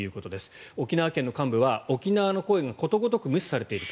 沖縄県の幹部は沖縄の声がことごとく無視されている。